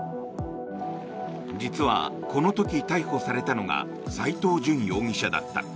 実はこの時、逮捕されたのが斎藤淳容疑者だった。